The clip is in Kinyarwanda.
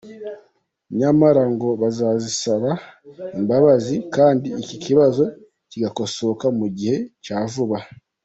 Nyamara ngo bazasaba imbabazi kandi iki kibazo kigakosoka mu gihe cya vuba.